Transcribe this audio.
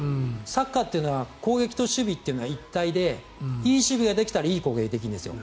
サッカーというのは攻撃と守備というのが一体でいい守備ができたらいい攻撃ができるんですよ。